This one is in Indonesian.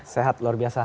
sehat luar biasa